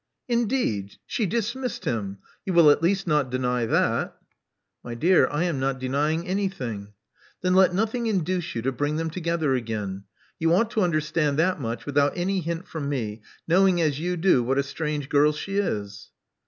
Indeed! She dismissed him. You will at least not deny that." My dear, I am not denying anyth " Then let nothing induce you to bring them together again. You ought to understand that much without any hint "from me, knowing, as you do, what a strange girl she is.